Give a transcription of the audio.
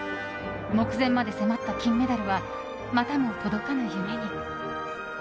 目前まで迫った金メダルはまたも届かぬ夢に。